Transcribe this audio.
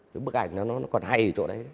cái bức ảnh nó còn hay ở chỗ đấy